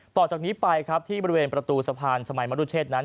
ต่อจากนี้ไปครับที่บริเวณประตูสะพานชมัยมรุเชษนั้น